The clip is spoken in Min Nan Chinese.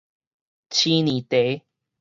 鮮奶茶